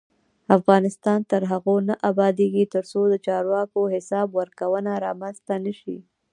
افغانستان تر هغو نه ابادیږي، ترڅو د چارواکو حساب ورکونه رامنځته نشي.